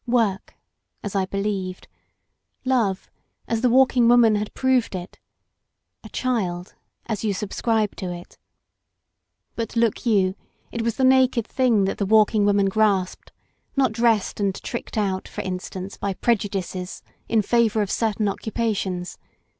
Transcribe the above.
Work — ^as I believed; love — as the Walking Woman had proved it; a child — ^as you subscribe to it. But look you: 308 THE WALKING WOMAN it was the naked thing the Walking Woman grasped, not dressed and tricked out, for in stance, by prejudices in favor of certain occupa tions!